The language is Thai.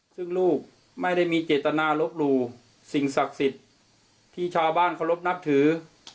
ซึ่งลูกไม่ได้มีเจตนาลบหลู่สิ่งศักดิ์สิทธิ์ที่ชาวบ้านเคารพนับถือ